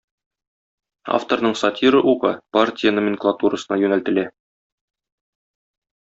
Авторның сатира угы партия номенклатурасына юнәлтелә.